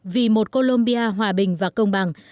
vì một colombia hòa bình và công bằng